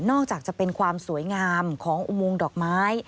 อกจากจะเป็นความสวยงามของอุโมงดอกไม้